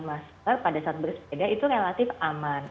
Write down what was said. masker pada saat bersepeda itu relatif aman